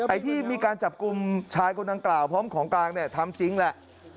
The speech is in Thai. ไอ้ที่มีการจับกลุ่มชายคนดังกล่าวพร้อมของกลางเนี่ยทำจริงแหละ